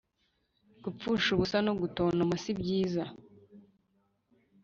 gupfusha ubusa no gutontoma sibyiza